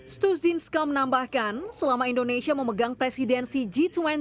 stuzinska menambahkan selama indonesia memegang presidensi g dua puluh